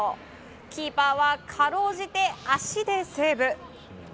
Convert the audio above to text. キーパーはかろうじて足でセーブ。